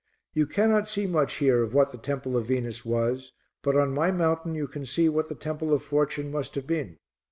"You cannot see much here of what the temple of Venus was, but on my mountain you can see what the temple of Fortune must have been.